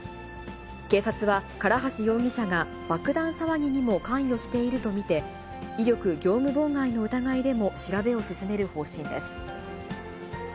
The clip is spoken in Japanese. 警察は、唐橋容疑者が爆弾騒ぎにも関与していると見て、威力業務妨害の疑いでも調べを進める方針です。